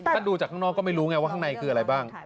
ถ้าดูจากข้างนอกก็ไม่รู้ไงว่าข้างในคืออะไรบ้าง